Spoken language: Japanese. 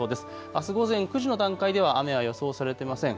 あす午前９時の段階では雨は予想されていません。